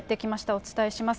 お伝えします。